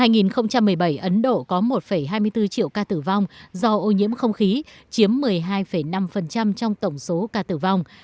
năm hai nghìn một mươi bảy ấn độ có một hai mươi bốn triệu ca tử vong do ô nhiễm không khí chiếm một mươi hai năm trong tổng số ca tử vong